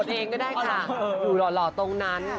เองก็ได้ค่ะอยู่หล่อตรงนั้น